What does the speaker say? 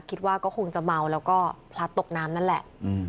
คิดว่าก็คงจะเมาแล้วก็พลัดตกน้ำนั่นแหละ